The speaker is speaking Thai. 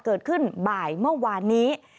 เกิดขึ้นบ่ายเมื่อวานนี้